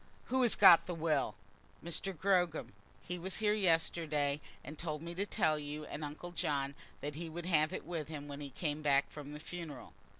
Who has got the will?" "Mr. Gogram. He was here yesterday, and told me to tell you and uncle John that he would have it with him when he came back from the funeral."